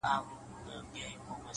• څوك به راسي د ايوب سره ملګري,